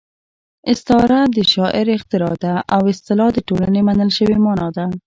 استعاره د شاعر اختراع ده او اصطلاح د ټولنې منل شوې مانا ده